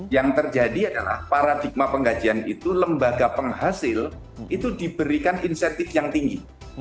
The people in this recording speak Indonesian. yang terjadi adalah paradigma penggajian itu lembaga penghasil itu diberikan insentif yang tinggi